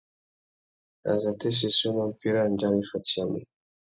Azatê séssénô mpí râ andjara i fatiyamú?